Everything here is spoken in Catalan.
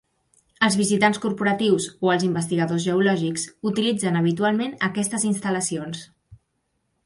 Els visitants corporatius o els investigadors geològics utilitzen habitualment aquestes instal·lacions.